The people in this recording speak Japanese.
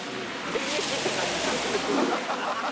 現役って感じの人ですよ。